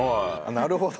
なるほど！